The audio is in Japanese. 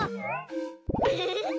ウフフフ。